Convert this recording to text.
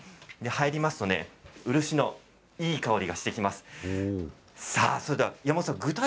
入りますと漆のいい香りがしてきます。